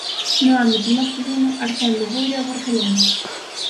No ámbito masculino, ascende o Boiro e o Barcelona.